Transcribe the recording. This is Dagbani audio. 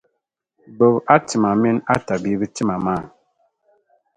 Gbib’ a tima min’ a tabibi tima maa.